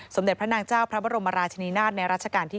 สมเด็จพระนางเจ้าพระบรมราชนีนาฏในรัชกาลที่๙